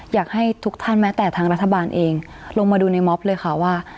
อยากให้ทุกท่านแม้แต่ทางรัฐบาลเองลงมาดูในม็อบเลยค่ะว่า